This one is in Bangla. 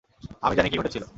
আমি জানি কী ঘটেছিল।